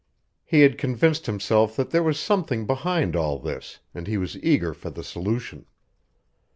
He had convinced himself that there was something behind all this, and he was eager for the solution.